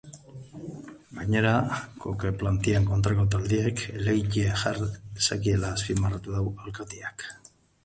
Gainera, koke plantaren kontrako taldeek helegitea jar dezaketela azpimarratu du alkateak.